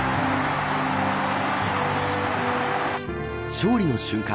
勝利の瞬間